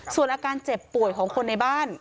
ส่วนอาการเจ็บป่วยของคนในบ้าน